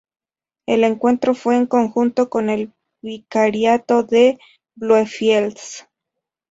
El Encuentro fue en conjunto con el Vicariato de Bluefields.